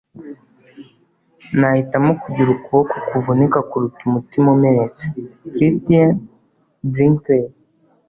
nahitamo kugira ukuboko kuvunika kuruta umutima umenetse. - christie brinkley